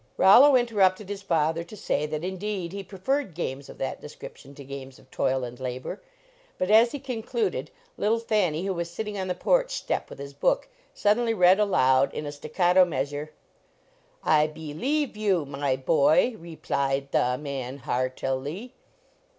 Rollo interrupted his father to say that in deed he preferred games of that description to games of toil and labor, but as he con cluded, little Thanny, who was sitting on the porch step with his book, suddenly read aloud, in a staccato measure. I be lieve you my boy , re plied the man heart i ly."